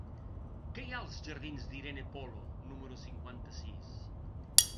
Què hi ha als jardins d'Irene Polo número cinquanta-sis?